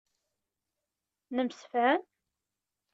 Nemsefham?